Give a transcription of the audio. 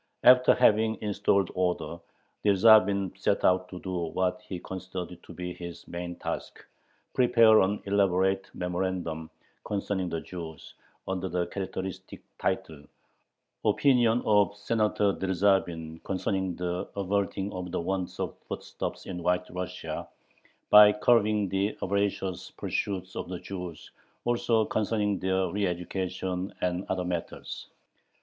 After having "installed order," Dyerzhavin set out to do what he considered to be his main task prepare an elaborate memorandum concerning the Jews, under the characteristic title, "Opinion of Senator Dyerzhavin Concerning the Averting of the Want of Foodstuffs in White Russia by Curbing the Avaricious Pursuits of the Jews, also Concerning Their Re education, and Other Matters."